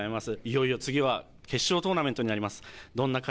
いよいよ次は決勝トーナメントになります。